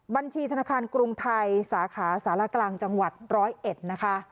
บัญชีธนาคารกรุงไทยสาขาสารกลางจังหวัดร้อยเอ็ดนะคะ